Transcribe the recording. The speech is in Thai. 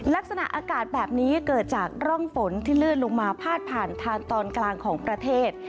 ลักษณะอากาศแบบนี้เกิดจากร่องฝนที่ลื่นลงมาพาดผ่านทางตอนกลางของประเทศ